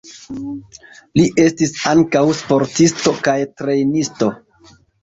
Li estis ankaŭ sportisto kaj trejnisto.